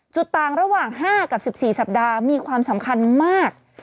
จุดต่างระหว่าง๕กับ๑๔สัปดาห์มีความสำคัญมาก